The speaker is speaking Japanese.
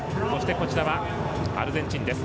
こちらはアルゼンチンです。